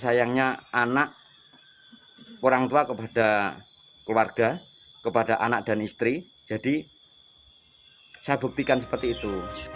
saya buktikan seperti itu